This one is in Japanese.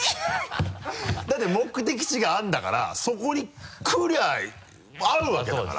だって目的地があるんだからそこに来りゃ会うわけだから。